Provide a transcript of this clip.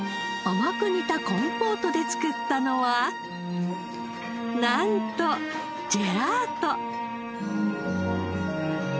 甘く煮たコンポートで作ったのはなんとジェラート！